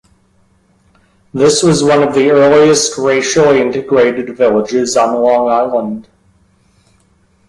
This was one of the earliest racially integrated villages on Long Island.